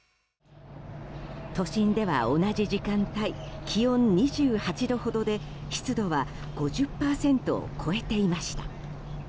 都心では同じ時間帯気温２８度ほどで湿度は５０％を超えていました。